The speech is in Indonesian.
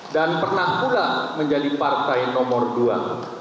dan pernah pula menjadi partai nomor dua